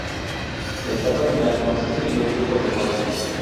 La etapa final consiste en dos grupos de cuatro.